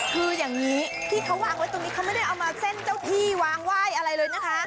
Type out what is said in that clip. คืออย่างนี้ที่เขาวางไว้ตรงนี้เขาไม่ได้เอามาเส้นเจ้าที่วางไหว้อะไรเลยนะคะ